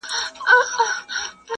دا د نحوي قصیدې د چا په ښه دي!.